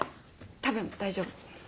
たぶん大丈夫。